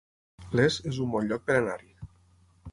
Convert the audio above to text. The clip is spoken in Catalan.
Les es un bon lloc per anar-hi